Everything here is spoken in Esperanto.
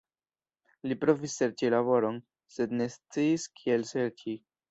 Li provis serĉi laboron, sed ne sciis kiel serĉi.